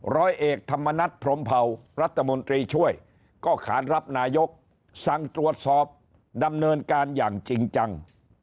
ร้อยเอกธรรมนัฐพรมเผารัฐมนตรีช่วยก็ขานรับนายกสั่งตรวจสอบดำเนินการอย่างจริงจัง